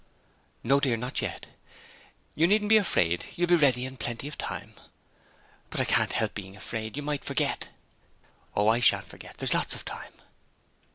'No, dear, not yet. You needn't be afraid; you'll be ready in plenty of time.' 'But I can't help being afraid; you might forget.' 'Oh, I shan't forget. There's lots of time.'